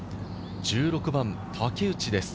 １６番、竹内です。